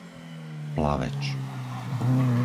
Plaveč